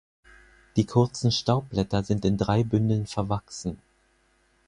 Die kurzen Staubblätter sind in drei Bündeln verwachsen.